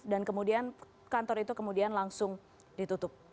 dan kemudian kantor itu kemudian langsung ditutup